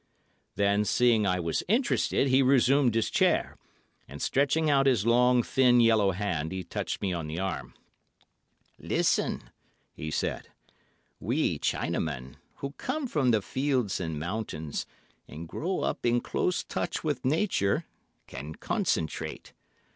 Then, seeing I was interested, he resumed his chair, and stretching out his long, thin, yellow hand, he touched me on the arm. "Listen," he said, "we, Chinamen, who come from the fields and mountains, and grow up in close touch with Nature, can concentrate.